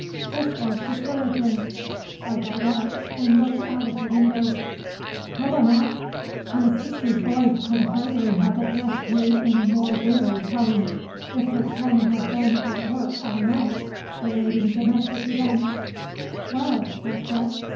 This was discouraging. I got up, and looked out of window. "Helena!" My sister's voice could hardly have addressed me in a more weary tone, if her pen had been at work all night, relating domestic events. "Well!" I said.